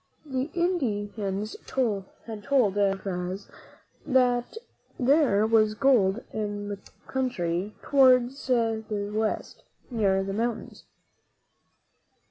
The Indians had told Narvaez that there was gold in the country towards the West, near the moun tains.